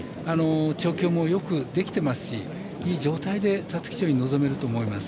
調教もよくできてますしいい状態で皐月賞に臨めると思います。